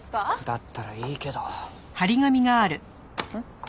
だったらいいけど。ん？